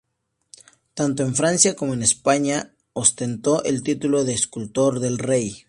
Tanto en Francia como en España ostentó el título de Escultor del Rey.